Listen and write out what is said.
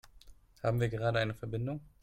Haben wir gerade eine Verbindung?